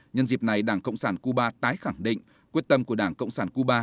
nhân dịp này đảng cộng sản cuba tái khẳng định quyết tâm của đảng cộng sản cuba